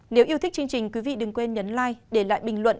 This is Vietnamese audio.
nếu yêu thích chương trình quý vị đừng quên nhấn like để lại bình luận